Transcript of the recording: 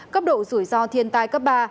cấp độ rủi ro thiên tai cấp ba